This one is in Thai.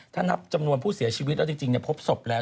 ถ้านับจำนวนผู้เสียชีวิตแล้วจริงพบศพแล้ว